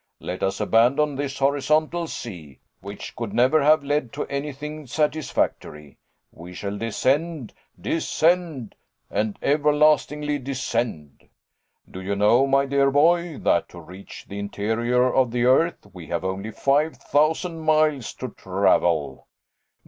Let us abandon this horizontal sea, which could never have led to anything satisfactory. We shall descend, descend, and everlastingly descend. Do you know, my dear boy, that to reach the interior of the earth we have only five thousand miles to travel!"